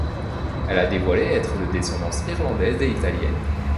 Elle a dévoilé être de descendance irlandaise et italienne.